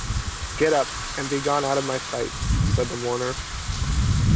“Get up, and be gone out of my sight,” said the mourner.